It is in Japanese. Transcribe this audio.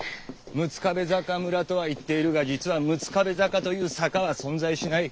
「六壁坂村」とは言っているが実は「六壁坂」という「坂」は存在しない。